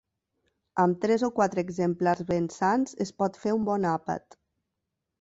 Amb tres o quatre exemplars ben sans es pot fer un bon àpat.